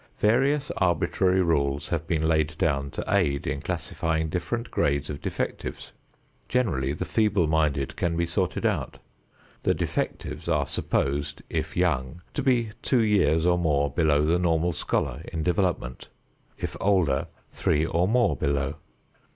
Various arbitrary rules have been laid down to aid in classifying different grades of defectives. Generally the feeble minded can be sorted out. The defectives are supposed, if young, to be two years or more below the normal scholar in development; if older, three or more below.